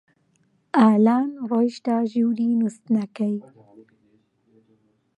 ئالان ڕۆیشتە ژووری نووستنەکەی.